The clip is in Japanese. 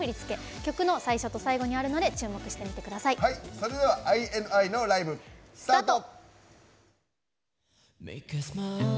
それではＩＮＩのライブ、スタート。